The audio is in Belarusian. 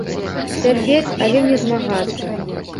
Цярпець, але не змагацца.